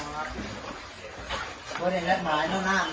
หลงหลงหลงหลงหลงหลง